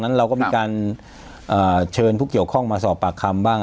เราก็มีการเชิญผู้เกี่ยวข้องมาสอบปากคำบ้าง